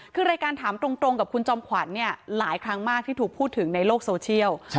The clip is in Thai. คือรายการถามตรงกับคุณจอมขวัญเนี่ยหลายครั้งมากที่ถูกพูดถึงในโลกโซเชียล